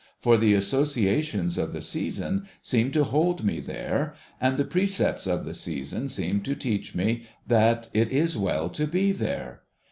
For, the associations of the season seem to hold me there, and the precepts of the season seem to teach me that it is well to be there.